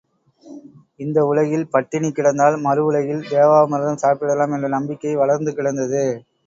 இந்த உலகில் பட்டினி கிடந்தால் மறு உலகில் தேவாமிர்தம் சாப்பிடலாம் என்ற நம்பிக்கை வளர்ந்து கிடந்தது.